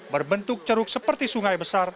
berbentuk ceruk seperti sungai yang terlihat di depan